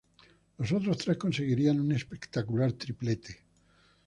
Los otros tres conseguirían un espectacular triplete.